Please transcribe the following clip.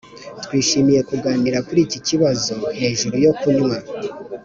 twishimiye kuganira kuri iki kibazo hejuru yo kunywa.